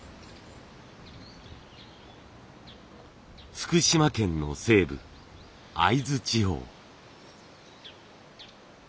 福島県の西部会津地方。